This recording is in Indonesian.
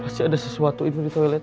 masih ada sesuatu ini di toilet